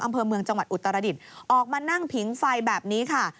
อำเภอเมืองจังหวัดอุตรดิษฐ์ออกมานั่งผิงไฟแบบนี้ค่ะ